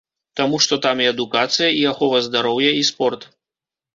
Таму што там і адукацыя, і ахова здароўя, і спорт.